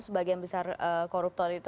sebagian besar koruptor itu